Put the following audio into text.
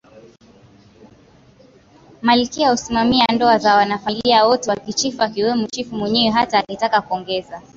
Malkia husimamia ndoa za wanafamilia wote wa kichifu akiwemo Chifu mwenyewe hata akitaka kuongeza